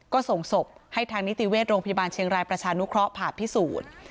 ก็ส่งศพให้ทางนิติเวชโรงพยาบาลเชียงรายประชานุเคราะห์ผ่าพิสูจน์